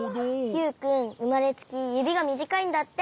ユウくんうまれつきゆびがみじかいんだって。